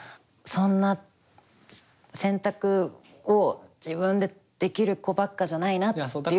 そんな選択を自分でできる子ばっかじゃないなっていうとこはちょっと。